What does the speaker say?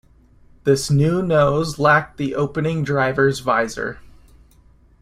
This new nose lacked the opening driver's visor.